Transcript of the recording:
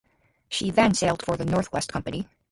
She then sailed for the North West Company.